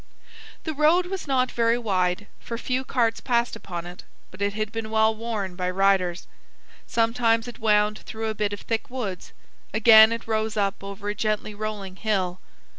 The road was not very wide, for few carts passed upon it, but it had been well worn by riders. Sometimes it wound through a bit of thick woods; again it rose up over a gently rolling hill.